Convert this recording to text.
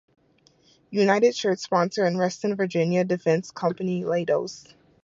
United's shirt sponsor is Reston, Virginia defense company Leidos.